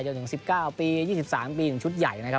จนถึง๑๙ปี๒๓ปีถึงชุดใหญ่นะครับ